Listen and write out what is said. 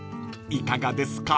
いかがですか？］